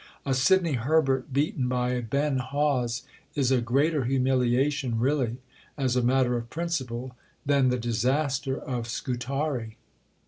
A Sidney Herbert beaten by a Ben Hawes is a greater humiliation really (as a matter of principle) than the disaster of Scutari."